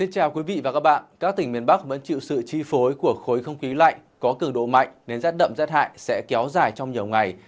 các tỉnh miền bắc vẫn chịu sự chi phối của khối không khí lạnh có cực độ mạnh nên rát đậm rát hại sẽ kéo dài trong nhiều ngày